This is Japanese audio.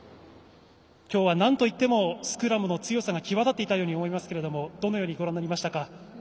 今日はなんといってもスクラムの強さが際立っていたように思いますがどのようにご覧になりましたか。